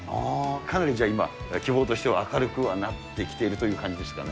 かなりじゃあ、今、希望としては明るくはなってきているという感じですかね？